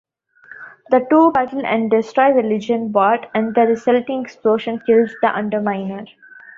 The two battle and destroy the Gilgenbot, and the resulting explosion kills the Underminer.